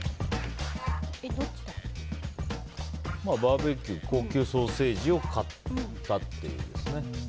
バーベキューで高級ソーセージを買ったっていう。